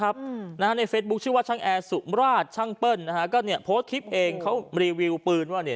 ละนะรับในเฟสบุ๊กชื่อว่าช่างแอนสุมราชชั่งเป้ิ้ลหาก็เนี่ยพูดชิ้นเองเขารีวิวปืนว่าเนี่ย